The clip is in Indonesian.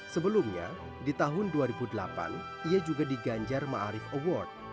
sebelumnya di tahun dua ribu delapan ia juga diganjar ma'arif award